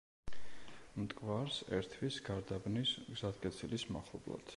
მტკვარს ერთვის გარდაბნის გზატკეცილის მახლობლად.